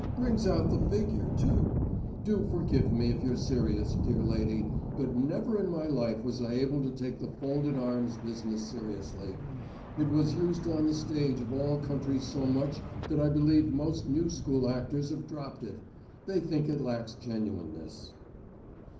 "Brings out the figure, too. Do forgive me if you're serious, dear lady, but never in my life was I able to take the folded arms business seriously. It was used on the stage of all countries so much that I believe most new school actors have dropped it. They think it lacks genuineness."